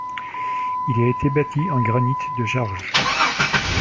Il a été bâti en granit de Jarges.